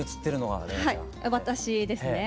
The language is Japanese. はい私ですね。